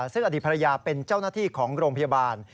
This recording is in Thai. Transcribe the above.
ซึ่งอดีตภรรยาเป็นเจ้าหน้าที่ของโรงพยาบาล